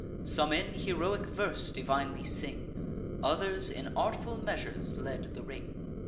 Some in heroic verse divinely sing; Others in artful measures led the ring.